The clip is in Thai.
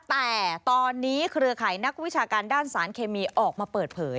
แต่ตอนนี้เครือข่ายนักวิชาการด้านสารเคมีออกมาเปิดเผย